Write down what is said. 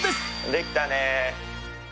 できたね。